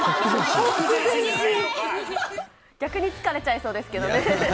逆に疲れちゃいそうですけどね。